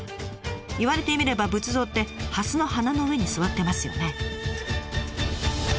言われてみれば仏像って蓮の花の上に座ってますよね。